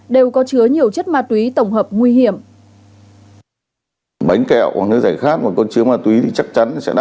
đều có chứa nhiều chất ma túy tổng hợp nguy hiểm